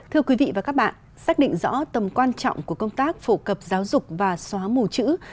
thưa quý vị và các bạn xác định rõ tầm quan trọng của công tác phổ cập giáo dục và xóa mù chữ